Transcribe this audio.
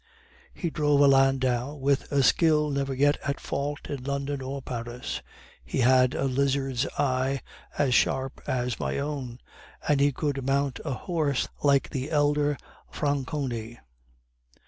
He drove a landau with a skill never yet at fault in London or Paris. He had a lizard's eye, as sharp as my own, and he could mount a horse like the elder Franconi.